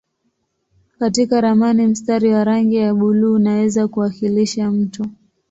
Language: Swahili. Katika ramani mstari wa rangi ya buluu unaweza kuwakilisha mto.